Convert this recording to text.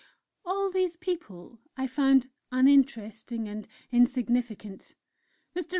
All these people I found uninteresting and insignificant. Mr.